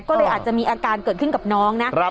ก็เลยอาจจะมีอาการเกิดขึ้นกับน้องนะ